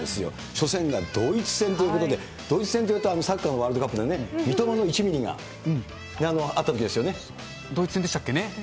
初戦がドイツ戦ということで、ドイツ戦というとサッカーのワールドカップの三笘の１ミリがあっドイツ戦でしたっけね。